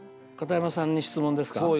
片山さんに質問ですか？